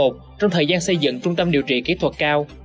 trong thời gian xây dựng trung tâm điều trị kỹ thuật cao